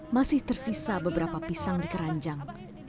masih tersisa beberapa pisang di keranjang